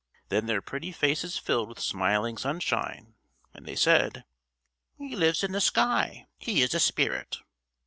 Then their pretty faces filled with smiling sunshine, and they said: "He lives in the sky. He is a spirit."